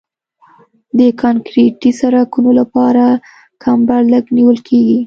د کانکریټي سرکونو لپاره کمبر لږ نیول کیږي